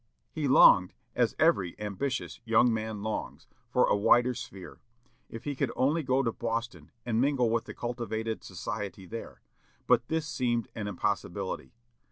He longed, as every ambitious young man longs, for a wider sphere. If he could only go to Boston, and mingle with the cultivated society there! but this seemed an impossibility.